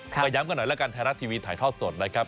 ก็ย้ำกันหน่อยแล้วกันไทยรัฐทีวีถ่ายทอดสดนะครับ